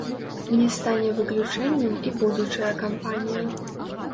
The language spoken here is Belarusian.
Не стане выключэннем і будучая кампанія.